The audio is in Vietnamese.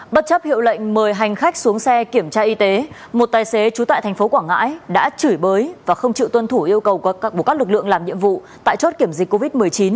bất chấp hiệu lệnh mời hành khách xuống xe kiểm tra y tế một tài xế trú tại thành phố quảng ngãi đã chửi bới và không chịu tuân thủ yêu cầu các lực lượng làm nhiệm vụ tại chốt kiểm dịch covid một mươi chín